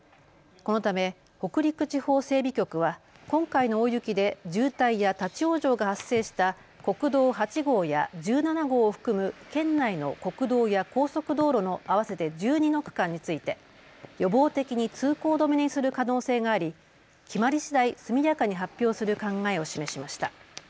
このため北陸地方整備局は今回の大雪で渋滞や立往生が発生した国道８号や１７号を含む県内の国道や高速道路の合わせて１２の区間について予防的に通行止めにする可能性があり、決まりしだい速やかに発表する考えを示しました。